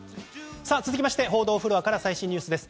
続きまして報道フロアから最新ニュースです。